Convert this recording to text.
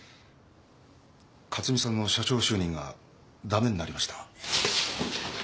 克巳さんの社長就任が駄目になりました。